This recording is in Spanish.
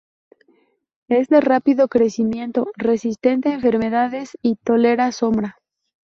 Es de rápido crecimiento, resistente a enfermedades y tolera sombra.